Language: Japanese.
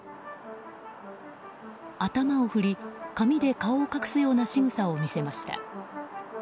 頭を振り、髪で顔を隠すようなしぐさを見せました。